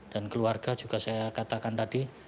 dan keluarga juga saya katakan tadi